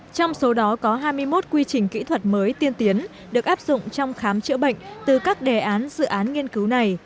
trong số đó có hai mươi một quy trình kỹ thuật mới tiên tiến được áp dụng trong khám chữa bệnh từ các đề án dự án nghiên cứu này